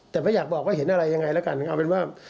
แต่ไม่อยากบอกว่าเห็นอะไรยังไงแล้วกันเอาเป็นว่า